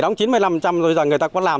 đóng chín mươi năm rồi người ta có làm